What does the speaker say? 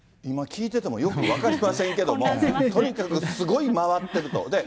聞いててもよく分かりませんけれども、とにかくすごい回ってると。